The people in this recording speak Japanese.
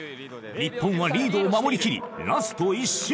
日本はリードを守りきりラスト１周。